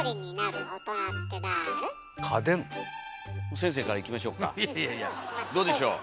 先生からいきましょうか。